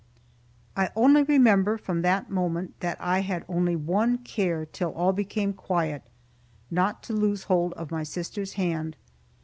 I only remember, from that moment, that I had only one care till all became quiet; not to lose hold of my sister's hand.